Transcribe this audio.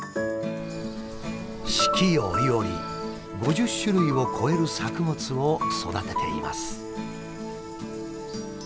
四季折々５０種類を超える作物を育てています。